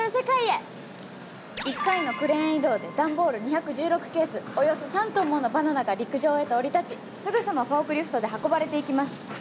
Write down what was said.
１回のクレーン移動で段ボール２１６ケースおよそ３トンものバナナが陸上へと降り立ちすぐさまフォークリフトで運ばれていきます！